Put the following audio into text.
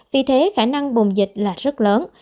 vì thế khả năng bùng dịch là rất lớn